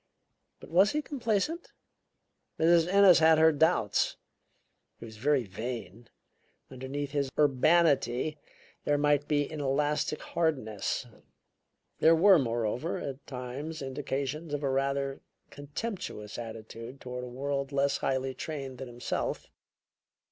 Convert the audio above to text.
But was he complacent? Mrs. Ennis had her doubts. He was very vain; underneath his urbanity there might be an elastic hardness. There were, moreover, at times indications of a rather contemptuous attitude toward a world less highly trained than himself.